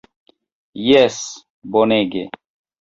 Jes! Bonege.